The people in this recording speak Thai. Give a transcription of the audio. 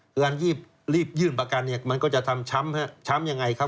คือการรีบยื่นประกันเนี่ยมันก็จะทำช้ำช้ำยังไงครับ